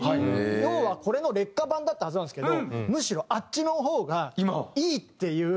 要はこれの劣化版だったはずなんですけどむしろあっちの方がいいっていう。